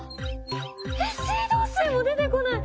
えっ水道水も出てこない！